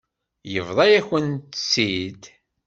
Yebḍa-yakent-tt-id.